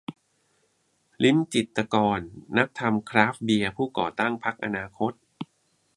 ลิ้มจิตรกร นักทำคราฟต์เบียร์ ผู้ก่อตั้งพรรคอนาคต